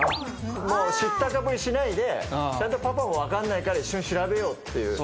もう知ったかぶりしないでちゃんとパパも分かんないから一緒に調べようっていう。